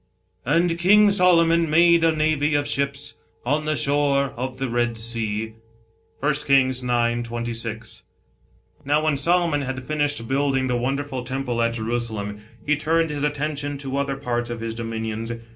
" And King Solomon made a navy of ships ... on the shore of the Red Sea." 1 KINGS ix. 20. Now when Solomon had finished building the wonderful temple at Jerusalem, he turned his attention to other parts of his dominions.